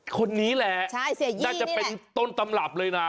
คนนี้แหละใช่เสียยี่นี่แหละน่าจะเป็นต้นตำรับเลยนะ